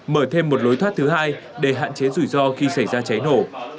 mở thêm một lối thoát thứ hai để hạn chế rủi ro khi xảy ra cháy nổ